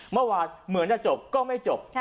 เมื่อวานเหมือนจะจบก็ไม่จบ